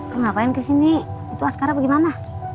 ngapain kesini itu askara bagaimana